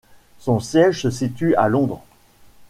Son siège se situe à Londres.